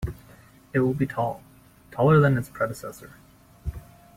It will be tall, taller than its predecessor.